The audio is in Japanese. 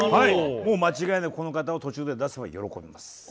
もう間違いなくこの方を途中で出せば喜びます。